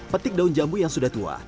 petik daun jambu yang sudah tua